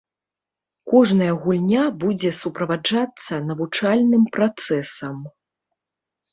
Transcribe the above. Кожная гульня будзе суправаджацца навучальным працэсам.